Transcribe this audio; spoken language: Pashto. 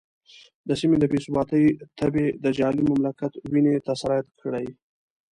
د سیمې د بې ثباتۍ تبې د جعلي مملکت وینې ته سرایت کړی.